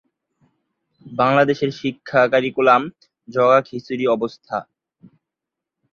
গুপ্ত সাম্রাজ্যের সমসাময়িক এই রাজবংশ সাতবাহন সাম্রাজ্যের পতনের পরে ক্ষমতা লাভ করে।